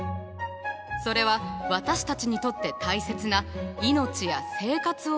それは私たちにとって大切な「命や生活を救うアート」のこと。